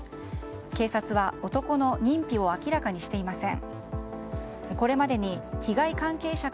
警察は、男の認否を明らかにしていません。